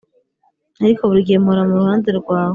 ariko buri gihe mpora muruhande rwawe